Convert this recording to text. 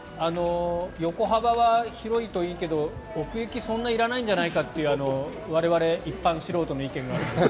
横幅は広いといいけど奥行きはそんなにいらないんじゃないかという我々、一般素人の意見が。